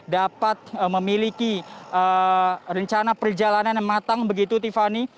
dapat memiliki rencana perjalanan yang matang begitu tiffany